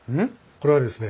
これはですね